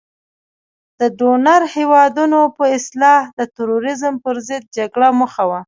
د ډونر هیوادونو په اصطلاح د تروریزم په ضد جګړه موخه وه.